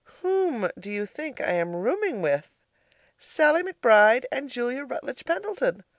Whom do you think I am rooming with? Sallie McBride and Julia Rutledge Pendleton.